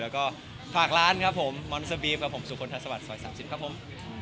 แล้วก็ฝากร้านครับผมมอนเซอร์บีกับผมสุคลทัศวรรคซอย๓๐ครับผม